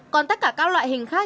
còn tất cả các loại hình khác